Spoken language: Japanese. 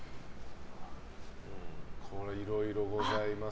いろいろございますが。